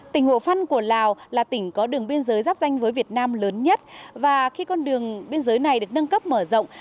tỉnh hồ phân của lào là tỉnh có đường biên giới giáp danh với việt nam lớn nhất và khi con đường biên giới này được nâng cấp mở rộng